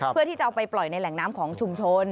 เพื่อที่จะเอาไปปล่อยในแหล่งน้ำของชุมชน